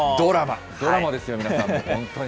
ドラマですよ、皆さん、本当に。